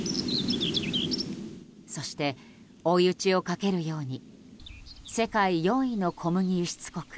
そして追い打ちをかけるように世界４位の小麦輸出国